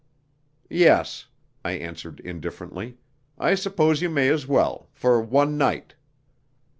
"Yes," I answered indifferently. "I suppose you may as well for one night."